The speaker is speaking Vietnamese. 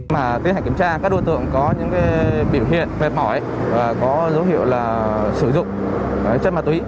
mà tiến hành kiểm tra các đối tượng có những biểu hiện mệt mỏi và có dấu hiệu sử dụng chất ma túy